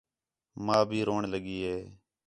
ماں بھی روݨ لڳی ہِے